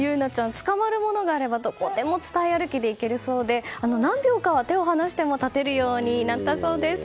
つかまるものがあればどこでも伝い歩きで行けるそうで何秒か手を放しても立てるようになったそうです。